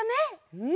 うん。